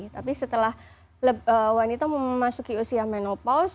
tapi setelah wanita memasuki usia menopaus